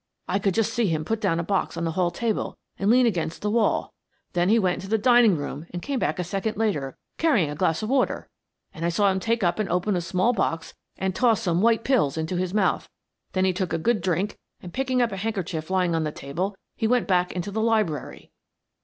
I could just see him put down a box on the hall table and lean against the wall. Then he went into the dining room and came back a second later carrying a glass of water, and I saw him take up and open a small box and toss some white pills into his mouth; then he took a good drink, and, picking up a handkerchief lying on the table, he went back into the library."